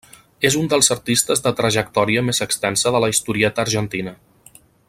És un dels artistes de trajectòria més extensa de la historieta argentina.